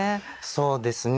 そうですね。